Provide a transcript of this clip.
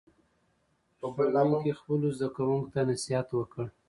ښوونکي خپلو زده کوونکو ته نصیحت وکړ.